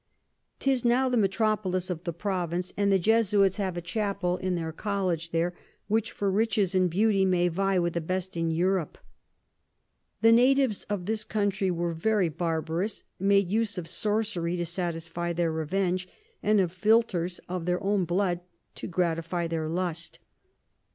'Tis now the Metropolis of the Province, and the Jesuits have a Chappel in their College there, which for Riches and Beauty may vie with the best in Europe. The Natives of this Country were very barbarous, made use of Sorcery to satisfy their Revenge, and of Philtres of their own Blood to gratify their Lust.